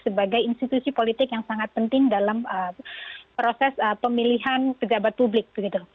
sebagai institusi politik yang sangat penting dalam proses pemilihan pejabat publik